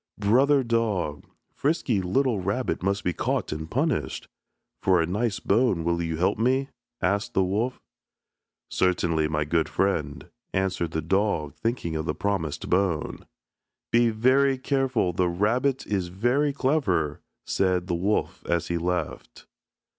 "Brother dog, frisky little rabbit must be caught and punished. For a nice bone will you help me?" asked the wolf. "Certainly, my good friend," answered the dog, thinking of the promised bone. "Be very careful, the rabbit is very clever," said the wolf as he left.